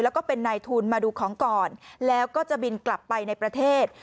แล้วก็เป็นนายทุนมาดูของก่อนแล้วก็จะบินกลับไปในประเทศ